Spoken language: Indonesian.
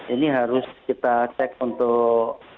ini harus kita cek untuk